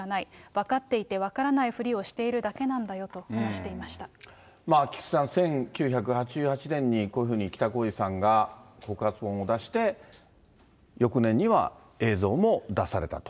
分かっていて分からないふりをしているだけなんだよと話していま菊池さん、１９８８年にこういうふうに北公次さんが告発本を出して、翌年には映像も出されたと。